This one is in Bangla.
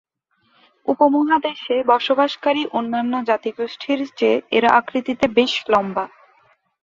উপমহাদেশে বসবাসকারী অন্যান্য জাতিগোষ্ঠীর চেয়ে এরা আকৃতিতে বেশ লম্বা।